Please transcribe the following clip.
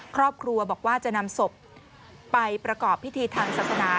ครอบครัวบอกว่าจะนำศพไปประกอบพิธีทางศาสนา